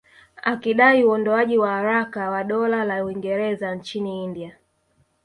Akidai uondoaji haraka wa Dola la Uingereza nchini India